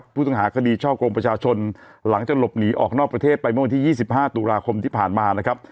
ผู้ต้องหาคดีช่อกงประชาชนหลังจากหลบหนีออกนอกประเทศไปเมื่อวันที่๒๕ตุลาคมที่ผ่านมานะครับ